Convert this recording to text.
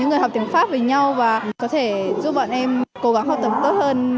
những người học tiếng pháp với nhau và có thể giúp bọn em cố gắng học tập tốt hơn